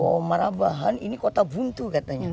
oh marabahan ini kota buntu katanya